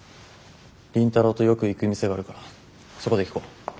倫太郎とよく行く店があるからそこで聞こう。